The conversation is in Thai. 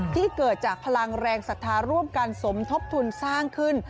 ที่เกิดจากพลังแรงศรัทธาร่วมกันสมทบทุนสร้างขึ้น